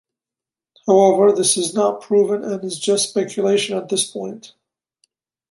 However, this is not proven and is just speculation at this point.